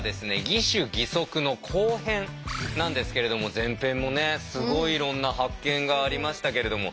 「義手義足」の後編なんですけれども前編もねすごいいろんな発見がありましたけれども。